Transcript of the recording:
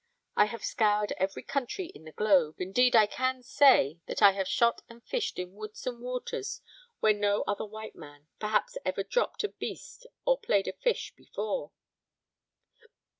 I have scoured every country in the globe; indeed I can say that I have shot and fished in woods and waters where no other white man, perhaps ever dropped a beast or played a fish before.